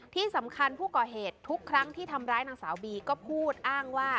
ที่สำคัญผู้ก่อเหตุทุกครั้งที่ทำร้ายนางสาวบีก็พูดอ้างว่า